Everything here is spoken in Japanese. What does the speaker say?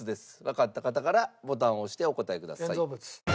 わかった方からボタンを押してお答えください。